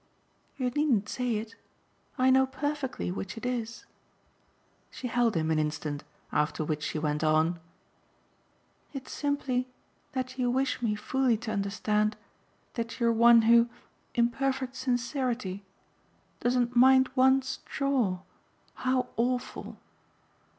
"You needn't say it. I know perfectly which it is." She held him an instant, after which she went on: "It's simply that you wish me fully to understand that you're one who, in perfect sincerity, doesn't mind one straw how awful